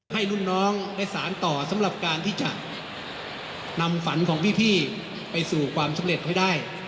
ให้รุ่นน้องได้สารต่อสำหรับการที่จะนำฝันของพี่ไปสู่ความสำเร็จให้ได้